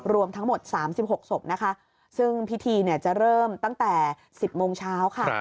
รวมทั้งหมด๓๖ศพนะคะซึ่งพิธีจะเริ่มตั้งแต่๑๐โมงเช้าค่ะ